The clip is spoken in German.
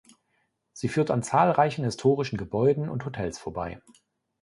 Sie führt an zahlreichen historischen Gebäuden und Hotels vorbei.